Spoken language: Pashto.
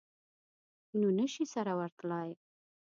نو نه شي سره ورتلای.